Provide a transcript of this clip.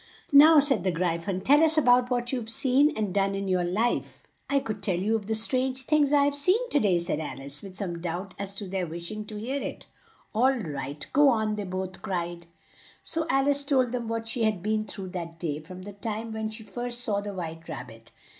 "Now," said the Gry phon, "tell us a bout what you have seen and done in your life." "I could tell you of the strange things I have seen to day," said Al ice, with some doubt as to their wish ing to hear it. "All right, go on," they both cried. So Al ice told them what she had been through that day, from the time when she first saw the White Rab bit.